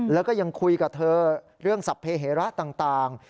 แล้วก็ยังคุยกับเธอเรื่องสรรพเหระต่าง